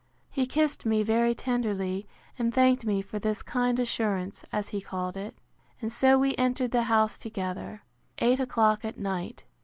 He kissed me very tenderly, and thanked me for this kind assurance, as he called it. And so we entered the house together. Eight o'clock at night.